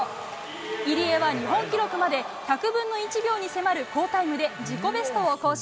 入江は日本記録まで１００分の１秒に迫る好タイムで自己ベストを更新。